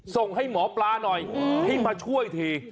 ส่งให้หมอปลาหน่อยให้มาช่วยที